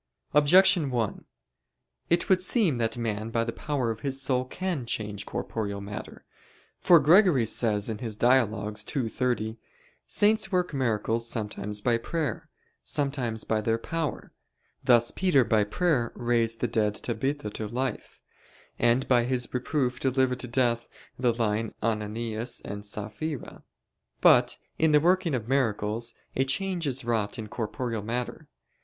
Objection 1: It would seem that man by the power of his soul can change corporeal matter. For Gregory says (Dialog. ii, 30): "Saints work miracles sometimes by prayer, sometimes by their power: thus Peter, by prayer, raised the dead Tabitha to life, and by his reproof delivered to death the lying Ananias and Saphira." But in the working of miracles a change is wrought in corporeal matter.